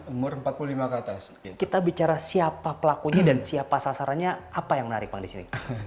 umur empat puluh lima ke atas kita bicara siapa pelakunya dan siapa sasarannya apa yang menarik bang di sini